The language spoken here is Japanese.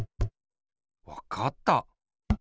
わかった！